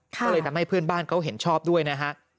ก็เลยทำให้เพื่อนบ้านเขาเห็นชอบด้วยนะฮะ